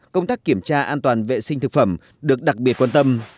công tác kiểm tra an toàn vệ sinh thực phẩm được đặc biệt quan tâm